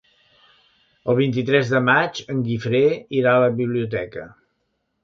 El vint-i-tres de maig en Guifré irà a la biblioteca.